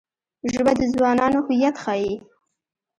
ژبه د ځوانانو هویت ښيي